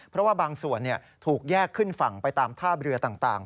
เพราะว่าบางส่วนถูกแยกขึ้นฝั่งไปตามท่าเรือต่าง